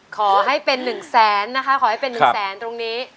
ขอให้เป็น๑แสนนะคะขอให้เป็น๑แสนตรงนี้